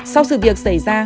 sau sự việc xảy ra